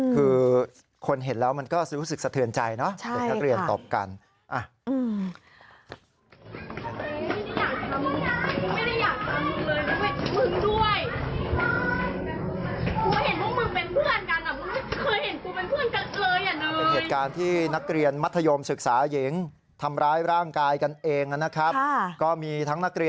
คือคนเห็นแล้วมันก็รู้สึกสะเทือนใจเนอะ